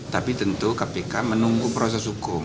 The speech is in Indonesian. tapi tentu kpk menunggu proses hukum